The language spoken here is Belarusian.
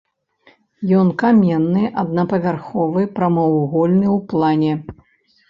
Ён каменны, аднапавярховы, прамавугольны ў плане.